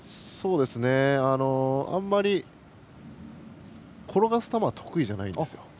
あんまり、転がす球は得意じゃないです。